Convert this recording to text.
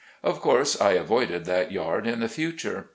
Of course I avoided that yard in the future.